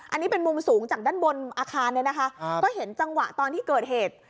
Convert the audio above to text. อันนี้เป็นมุมสูงจากด้านบนอาคารเนี่ยนะคะก็เห็นจังหวะตอนที่เกิดเหตุ